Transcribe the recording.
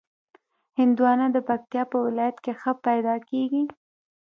هندوانه د پکتیا په ولایت کې ښه پیدا کېږي.